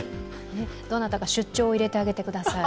どなたか出張を入れてあげてください。